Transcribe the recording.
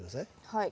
はい。